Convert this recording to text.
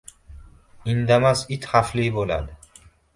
• Indamas it xavfli bo‘ladi.